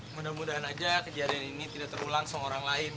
mudah mudahan aja kejadian ini tidak terulang sama orang lain